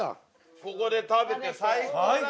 ここで食べて最高。